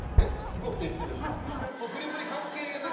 僕と行ってですか？